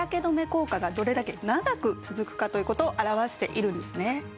効果がどれだけ長く続くかという事を表しているんですね。